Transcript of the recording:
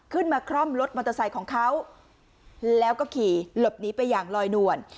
คร่อมรถมอเตอร์ไซค์ของเขาแล้วก็ขี่หลบหนีไปอย่างลอยนวล